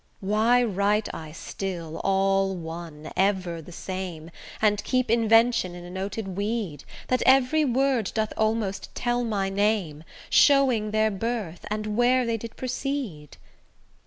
Why write I still all one, ever the same, And keep invention in a noted weed, That every word doth almost tell my name, Showing their birth, and where they did proceed?